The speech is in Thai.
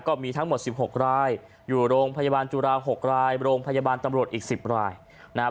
ก็มีทั้งหมด๑๖รายอยู่โรงพยาบาลจุฬา๖รายโรงพยาบาลตำรวจอีก๑๐รายนะครับ